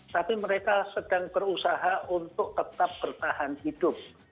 tapi mereka sedang berusaha untuk tetap bertahan hidup